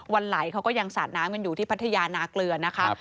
วันไหลเขาก็ยังสาดน้ำกันอยู่ที่พัทยานาเกลือนะคะ